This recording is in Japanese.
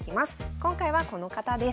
今回はこの方です。